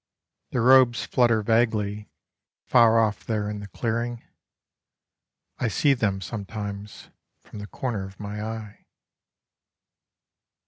Their robes flutter vaguely far off there in the clearing: I see them sometimes from the corner of my eye.